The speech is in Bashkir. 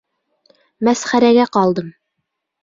Мәсхәрәгә ҡалдым.